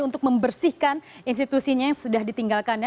untuk membersihkan institusinya yang sudah ditinggalkannya